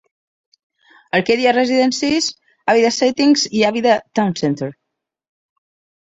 Arcadia Residences, Avida Settings i Avida Town Center.